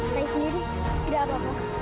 ray sendiri tidak apa apa